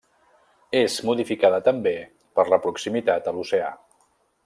És modificada també per la proximitat a l'oceà.